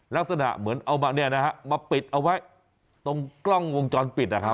ลักษณะเหมือนเอามาปิดเอาไว้ตรงกล้องวงจรปิด